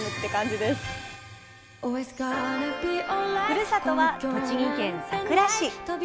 ふるさとは栃木県さくら市。